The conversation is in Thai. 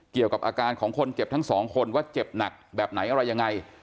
เกี่ยวกับอาการของคนเจ็บทั้งสองคนว่าเจ็บหนักแบบไหนอะไรยังไง